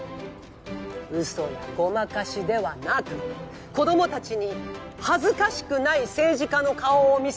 嘘やごまかしではなく子供たちに恥ずかしくない政治家の顔を見せることこそ